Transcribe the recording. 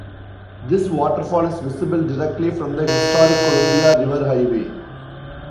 This waterfall is visible directly from the Historic Columbia River Highway.